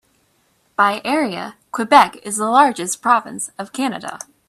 By area, Quebec is the largest province of Canada.